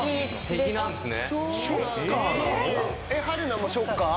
敵なんですね。